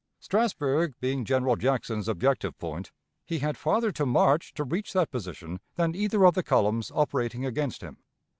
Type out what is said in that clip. Strasburg being General Jackson's objective point, he had farther to march to reach that position than either of the columns operating against him.